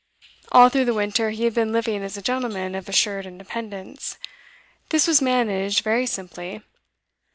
All through the winter he had been living as a gentleman of assured independence. This was managed very simply.